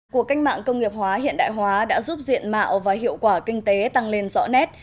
cuộc cách mạng công nghiệp hóa hiện đại hóa đã giúp diện mạo và hiệu quả kinh tế tăng lên rõ nét